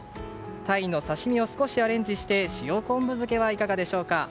鯛の刺し身を少しアレンジして塩昆布漬けはいかがでしょうか？